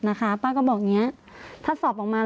แล้วก็ย้ำว่าจะเดินหน้าเรียกร้องความยุติธรรมให้ถึงที่สุด